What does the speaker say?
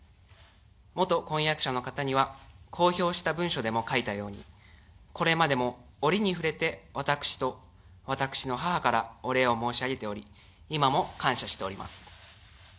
元婚約者の方には公表した文書でも書いたようにこれまでも折に触れて私と私の母からお礼を申し上げており今も感謝しております。